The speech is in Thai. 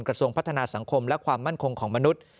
กระทรวงพัฒนาสังคมและความมั่นคงของมนุษย์